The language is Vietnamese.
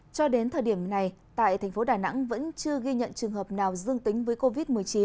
cho đến thời điểm này tại thành phố đà nẵng vẫn chưa ghi nhận trường hợp nào dương tính với covid một mươi chín